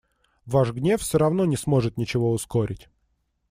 Ваш гнев всё равно не сможет ничего ускорить.